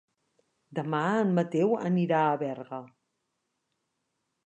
Demà en Mateu anirà a Berga.